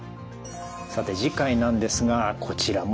さて次回なんですがこちらもですね